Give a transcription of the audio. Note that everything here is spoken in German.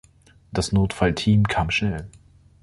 Das Notfallteam kam schnell.